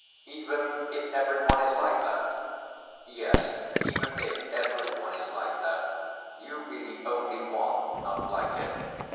"Even if every one is like that?" "Yes, even if every one is like that. You be the only one not like it.